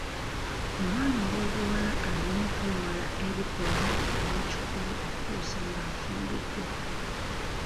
Omwana ow'obuwala alina okwewala ebikolwa eby'ekikulu okutuusa ng'afumbiddwa.